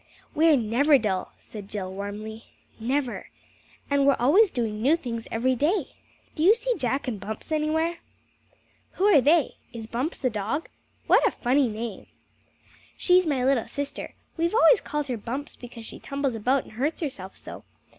"We're never dull," said Jill warmly. "Never! And we're always doing new things every day. Do you see Jack and Bumps anywhere?" "Who are they? Is Bumps a dog? What a funny name!" "She's my little sister; we've always called her Bumps because she tumbles about and hurts herself so.